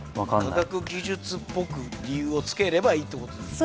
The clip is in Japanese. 科学技術っぽく理由をつければいいってことですよね